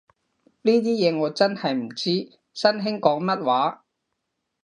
呢啲嘢我真係唔知，新興講乜話